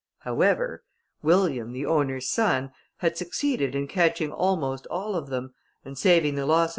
However, William, the owner's son, had succeeded in catching almost all of them, and, saving the loss of M.